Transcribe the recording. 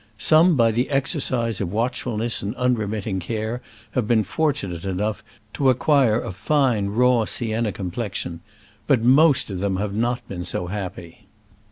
Some, by the exercise of watchfulness and unremitting care, have been fortunate enough to acquire a fine raw sienna complexion. But most of them have not been so happy.